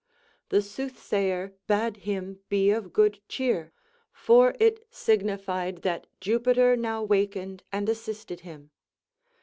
The soothsayer bade him be of good cheer, for it signified that Jupiter now wakened and assisted him.